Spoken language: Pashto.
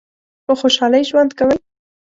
په خوشحالی ژوند کوی؟